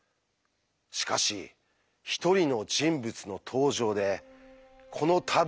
しかし一人の人物の登場でこのタブーが打ち破られます。